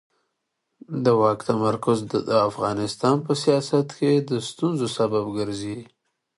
د واک تمرکز د افغانستان په سیاست کې د ستونزو سبب ګرځي